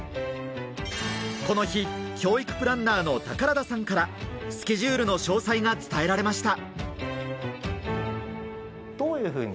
この日、教育プランナーの宝田さんから、スケジュールの詳細が伝えられました。